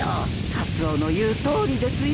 カツオの言うとおりですよ。